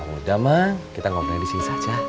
udah kita ngobrol disini saja